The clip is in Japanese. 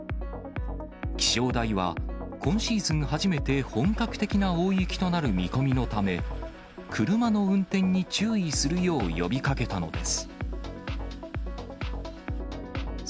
気象台は、今シーズン初めて本格的な大雪となる見込みのため、車の運転に注意するよう呼びかけたのです。